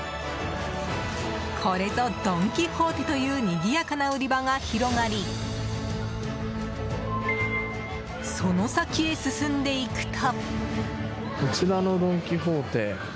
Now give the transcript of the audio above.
これぞドン・キホーテというにぎやかな売り場が広がりその先へ進んでいくと。